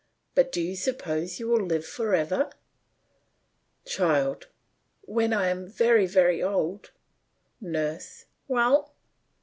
But do you suppose you will live for ever? CHILD: When I am very, very old NURSE: Well?